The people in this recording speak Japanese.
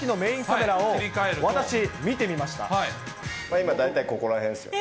今大体、ここらへんですよね。